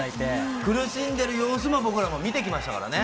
苦しんでいる様子も僕らも見てきましたからね。